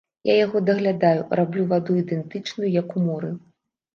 Я яго даглядаю, раблю ваду ідэнтычную, як у моры.